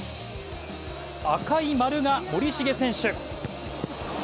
赤い丸が森重選手。